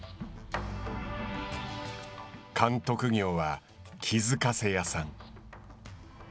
監督業は気づかせ屋さん。